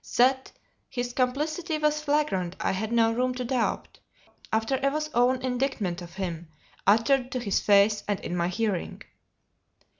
That his complicity was flagrant I had no room to doubt, after Eva's own indictment of him, uttered to his face and in my hearing.